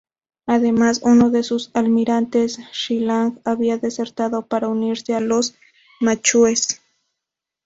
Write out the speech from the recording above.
Además, uno de sus almirantes, Shi Lang, había desertado para unirse a los manchúes.